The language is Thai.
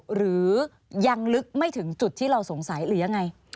หรือยังลึกไม่ถึงจุดที่เราสงสัยหรือยังไง